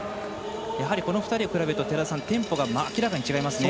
この２人を比べるとテンポが明らかに違いますね。